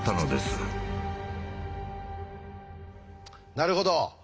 なるほど。